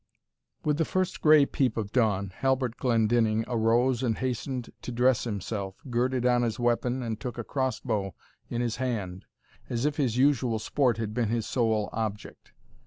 With the first gray peep of dawn, Halbert Glendinning arose and hastened to dress himself, girded on his weapon, and took a cross bow in his hand, as if his usual sport had been his sole object.